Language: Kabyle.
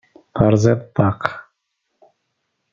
Terẓiḍ ṭṭaq.